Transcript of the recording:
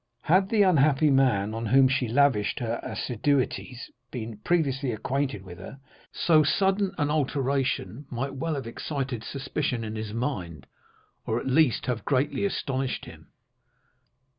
Had the unhappy man on whom she lavished her assiduities been previously acquainted with her, so sudden an alteration might well have excited suspicion in his mind, or at least have greatly astonished him.